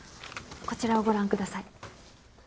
こちらをご覧ください。